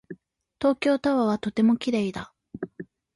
東京タワーはとても綺麗だ。